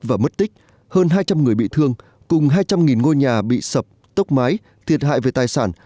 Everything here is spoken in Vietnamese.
và mất tích hơn hai trăm linh người bị thương cùng hai trăm linh ngôi nhà bị sập tốc mái thiệt hại về tài sản